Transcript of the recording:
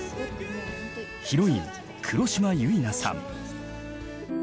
ヒロイン黒島結菜さん。